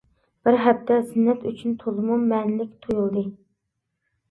بىر ھەپتە زىننەت ئۈچۈن تولىمۇ مەنىلىك تۇيۇلدى.